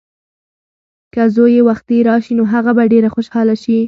که زوی یې وختي راشي نو هغه به ډېره خوشحاله شي.